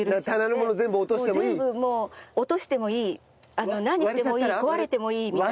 落としてもいい何してもいい壊れてもいいみたいな。